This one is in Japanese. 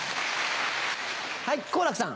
はい好楽さん。